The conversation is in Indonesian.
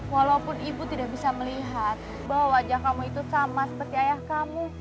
walaupun ibu tidak bisa melihat bahwa wajah kamu itu sama seperti ayah kamu